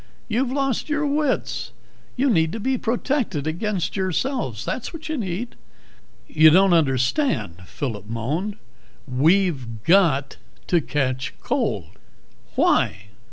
"You've lost your wits. You need to be protected against yourselves, that's what you need." "You don't understand," Phillip moaned. "We've got to catch cold." "Why?"